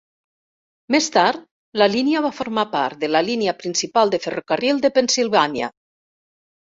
Més tard, la línia va formar part de la línia principal de ferrocarril de Pennsilvània.